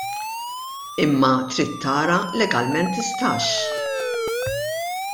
Imma trid tara legalment tistax.